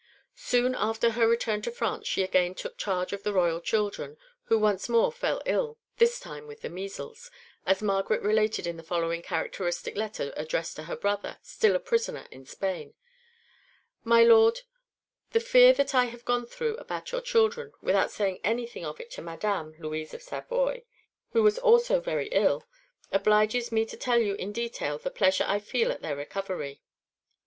Soon after her return to France she again took charge of the royal children, who once more fell ill, this time with the measles, as Margaret related in the following characteristic letter addressed to her brother, still a prisoner in Spain: "My Lord, The fear that I have gone through about your children, without saying anything of it to Madame (Louise of Savoy), who was also very ill, obliges me to tell you in detail the pleasure I feel at their recovery.